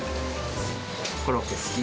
コロッケ好き？